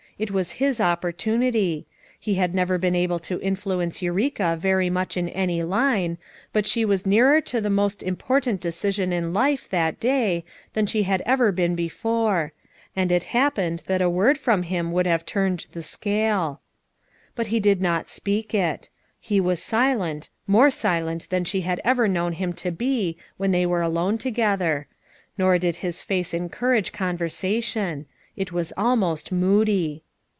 It was his opportunity. He had never been 224 VOVU MOTH KltS AT CHAUTAUQUA able to influence Eureka very much in any line; but she was nearer to the most important de cision in life, that day, than she bad ever been before; and it happened that a word from him would have turned the scale* But he did not speak it; lie wan silent, more silent than who had ever known him to be when they were alone together; nor did bin faee en courage conversation; it was almost moody.